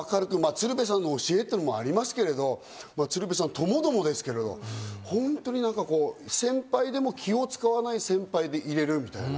鶴瓶さんの教えというのもありますけど、鶴瓶さん共々ですけど、本当に先輩でも気を使わない先輩でいられるみたいな。